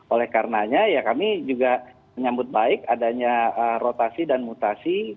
oleh karenanya ya kami juga menyambut baik adanya rotasi dan mutasi